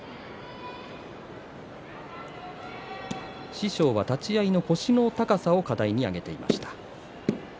師匠は立ち合いの腰の高さを課題に挙げていました。